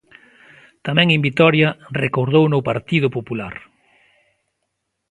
Tamén en Vitoria, recordouno o Partido Popular.